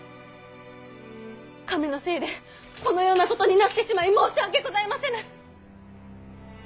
亀のせいでこのようなことになってしまい申し訳ございませぬ！